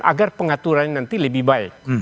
agar pengaturannya nanti lebih baik